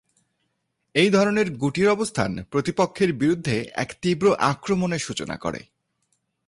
এই ধরনের গুটির অবস্থান প্রতিপক্ষের বিরুদ্ধে এক তীব্র আক্রমণের সূচনা করে।